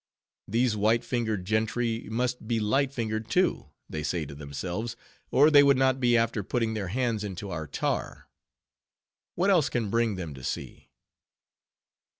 These white fingered gentry must be light fingered too, they say to themselves, or they would not be after putting their hands into our tar. What else can bring them to sea?